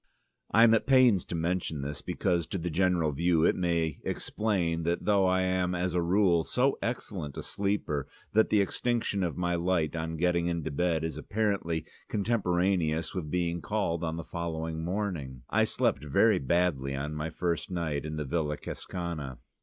I am at pains to mention this because to the general view it may explain that though I am as a rule so excellent a sleeper that the extinction of my light on getting into bed is apparently contemporaneous with being called on the following morning, I slept very badly on my first night in the Villa Cascana.